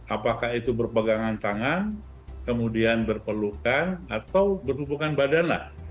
apakah itu berpegangan tangan kemudian berpelukan atau berhubungan badan lah